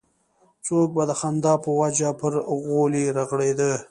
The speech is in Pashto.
څوک به د خندا په وجه پر غولي رغړېده.